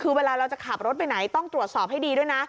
คือเวลาเราจะขับรถไปไหนต้องตรวจสอบให้ดีด้วยนะ